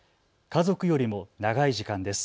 家族よりも長い時間です。